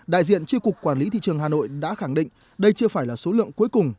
đại diện tri cục quản lý thị trường hà nội đã khẳng định đây chưa phải là số lượng cuối cùng